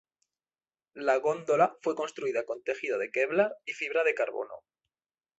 La góndola fue construida con tejido de Kevlar y fibra de carbono.